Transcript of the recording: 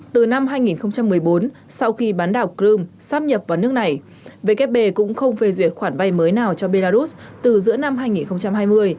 từ năm hai nghìn một mươi bốn sau khi bán đảo crimea sáp nhập vào nước này vkp cũng không phê duyệt khoản vay mới nào cho belarus từ giữa năm hai nghìn hai mươi